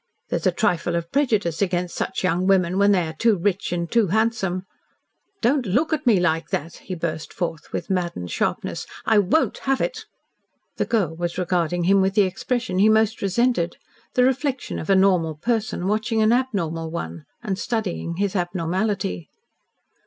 There's a trifle of prejudice against such young women when they are too rich and too handsome. Don't look at me like that!" he burst forth, with maddened sharpness, "I won't have it!" The girl was regarding him with the expression he most resented the reflection of a normal person watching an abnormal one, and studying his abnormality.